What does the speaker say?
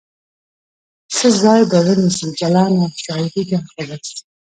څه ځای به ونیسي جلانه ؟ شاعرې ده خو بس